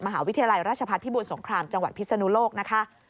มหาวิทยาลัยราชพัฒนภิบูรสงครามจังหวัดพิศนุโลกนะคะ